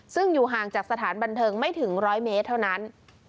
ซึ่งอยู่ห่างจากสถานบันเทิงไม่ถึง๑๐๐เมตรเท่านั้น